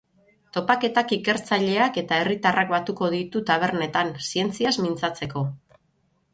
Topaketak ikertzaileak eta herritarrak batuko ditu tabernetan, zientziaz mintzatzeko.